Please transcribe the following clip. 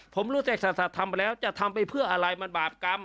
ผมรู้จักศาสัตว์ทำไปแล้วจะทำไปเพื่ออะไรมันบาปกรรม